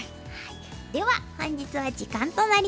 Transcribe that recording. では本日は時間となりました。